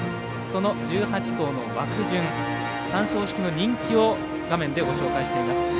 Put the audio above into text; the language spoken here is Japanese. その１８頭の枠順単勝式の人気を画面で紹介しています。